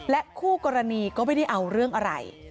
คู่กรณีก็ไม่ได้เอาเรื่องอะไร